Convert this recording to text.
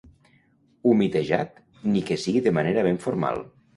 Humitejat, ni que sigui de manera ben formal.